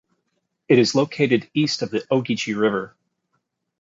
It is located east of the Ogeechee River.